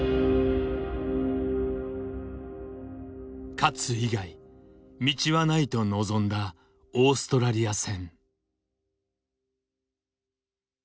勝つ以外道はないと臨んだオーストラリア戦。